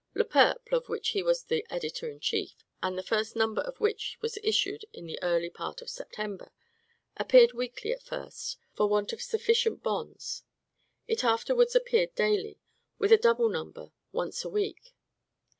"Le Peuple," of which he was the editor in chief, and the first number of which was issued in the early part of September, appeared weekly at first, for want of sufficient bonds; it afterwards appeared daily, with a double number once a week.